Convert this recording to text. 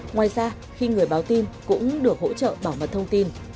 ngoài ra khi người báo tin cũng được hỗ trợ bảo mật thông tin